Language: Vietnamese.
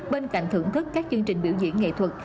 bên cạnh thưởng thức các chương trình biểu diễn nghệ thuật